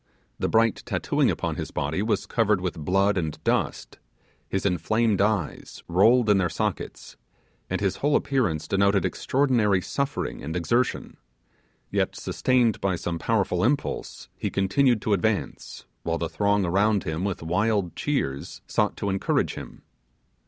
The bright tattooing upon his body was covered with blood and dust; his inflamed eyes rolled in their sockets, and his whole appearance denoted extraordinary suffering and exertion; yet sustained by some powerful impulse, he continued to advance, while the throng around him with wild cheers sought to encourage him.